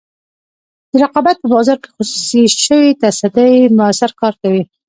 د رقابت په بازار کې خصوصي شوې تصدۍ موثر کار کوي.